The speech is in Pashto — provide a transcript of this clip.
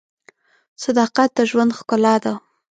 صداقت د ژوند ښکلا ده.